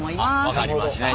分かりました。